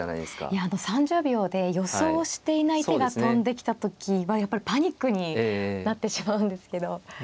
いや３０秒で予想をしていない手が飛んできた時はやっぱりパニックになってしまうんですけど。